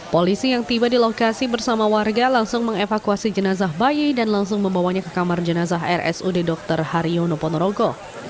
polisi yang tiba di lokasi bersama warga langsung mengevakuasi jenazah bayi dan langsung membawanya ke kamar jenazah rsud dr haryono ponorogo